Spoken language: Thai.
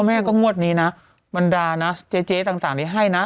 แม่ก็งวดนี้นะบรรดานะเจ๊ต่างนี้ให้นะ